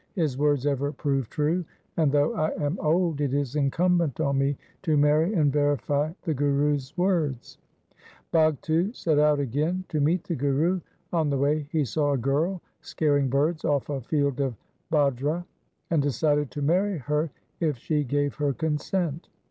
His words ever prove true, and, though I am old, it is incumbent on me to marry and verify the Guru's words.' Bhagtu set out again to meet the Guru. On the way he saw a girl scaring birds off a field of bajra, 1 and decided to marry her if she gave her consent.